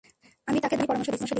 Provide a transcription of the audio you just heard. আমি তাকে দারুণ আইনি পরামর্শ দিচ্ছি।